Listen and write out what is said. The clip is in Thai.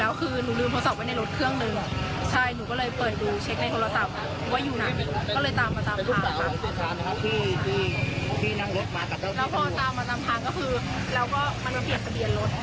แล้วเมื่อน่าจะเห็นตำรวจหลายคัน